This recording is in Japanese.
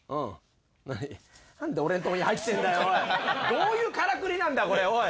どういうカラクリなんだこれおい！